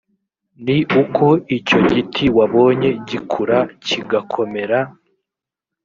ni uko icyo giti wabonye gikura kigakomera